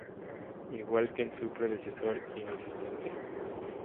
Igual que en su predecesor, inexistente.